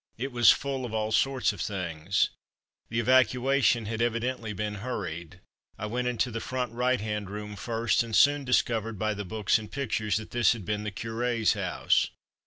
It was full of all sorts of things. The evacuation had evidently been hurried. I went into the front right hand room first, and soon discovered by the books and pictures that this had been the Curé's house.